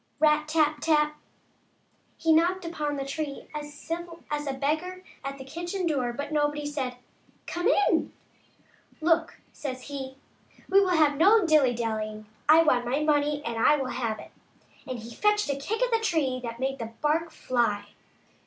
Rap ! tap ! tap ! He knocked upon the tree as civil as a beggar at the kitchen door, but nobody said, " Come in !"" Look," says he, " we will have no dilly dallying ; I want my money and I will have it," and he fetched a kick at the tree that made the bark fly.